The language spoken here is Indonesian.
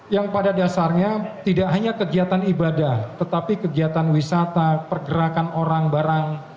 yang pada dasarnya tidak hanya kegiatan ibadah tetapi kegiatan wisata pergerakan orang barang